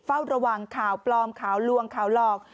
เฝ้าระวังข่าวปลอมข่าวลวงข่าวหลอก